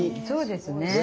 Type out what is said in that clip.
そうですね。